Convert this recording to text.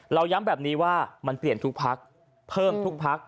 ย้ำแบบนี้ว่ามันเปลี่ยนทุกพักเพิ่มทุกพัก